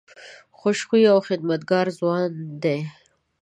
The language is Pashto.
خوش خویه او خدمتګار ځوان دی.